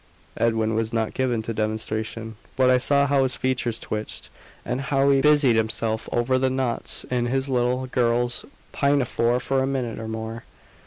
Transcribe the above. Edwin was not given to demonstration; but I saw how his features twitched, and how he busied himself over the knots in his little girl's pinafore for a minute or more.